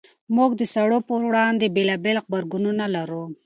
موږ د سړو پر وړاندې بېلابېل غبرګونونه لرو.